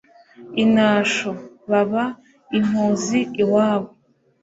i nasho, baba impuzi iwabo